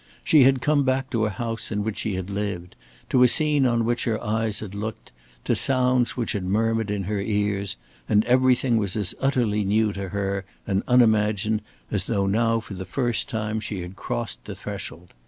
She had come back to a house in which she had lived, to a scene on which her eyes had looked, to sounds which had murmured in her ears, and everything was as utterly new to her and unimagined as though now for the first time she had crossed the threshold.